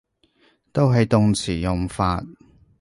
都係動詞用法